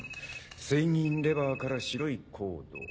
水銀レバーから白いコード。